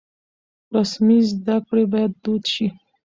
رسمي زده کړې بايد دود شي.